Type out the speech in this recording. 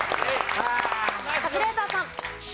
カズレーザーさん。